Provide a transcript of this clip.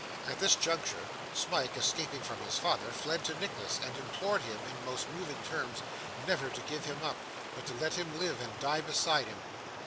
At this juncture, Smike escaping from his father fled to Nicholas, and implored him, in most moving terms, never to give him up, but to let him live and die beside him.